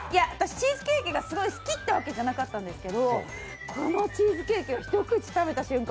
チーズケーキがすごい好きってわけじゃなかったんですけど、このチーズケーキを一口食べた瞬間